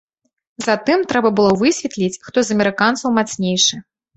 Затым трэба было высветліць, хто з амерыканцаў мацнейшы.